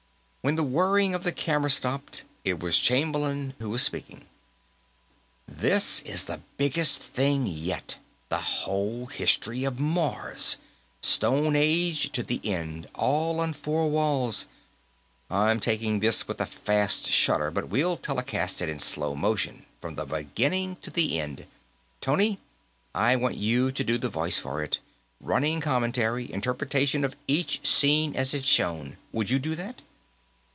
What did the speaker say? When the whirring of the camera stopped, it was Chamberlain who was speaking: "This is the biggest thing yet; the whole history of Mars, stone age to the end, all on four walls. I'm taking this with the fast shutter, but we'll telecast it in slow motion, from the beginning to the end. Tony, I want you to do the voice for it running commentary, interpretation of each scene as it's shown. Would you do that?"